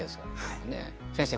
先生